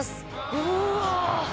うわ！